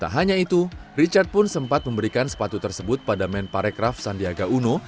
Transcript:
tak hanya itu richard pun sempat memberikan sepatu tersebut pada men parekraf sandiaga uno